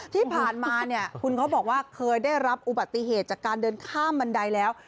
ที่ผ่านมาเนี่ยคุณเขาบอกว่าเคยได้รับอุบัติเหตุจากการเดินข้ามบันไดแล้ว